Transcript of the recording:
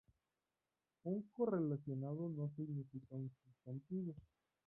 Un correlacionado no significa un sustitutivo.